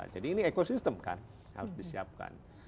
jadi ini ekosistem kan harus disiapkan